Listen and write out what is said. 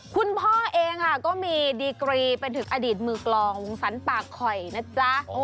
คุณพ่อเองค่ะก็มีดีกรีเป็นถึงอดีตมือกลองวงสรรปากคอยนะจ๊ะ